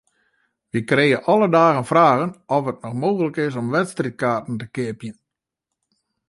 Wy krije alle dagen fragen oft it noch mooglik is om wedstriidkaarten te keapjen.